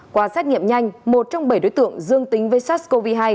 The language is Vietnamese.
qua xét nghiệm nhanh một trong bảy đối tượng dương tính với sars cov hai